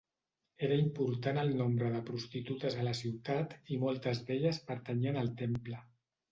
Era important el nombre de prostitutes a la ciutat i moltes d'elles pertanyien al temple.